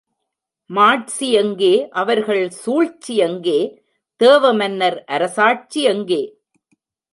மாட்சிஎங் கேஅவர்கள் சூழ்ச்சிஎங் K? Deva மன்னன்அர சாட்சிஎங்கே?